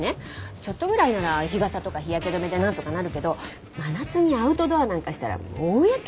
ちょっとぐらいなら日傘とか日焼け止めでなんとかなるけど真夏にアウトドアなんかしたら大やけどだし。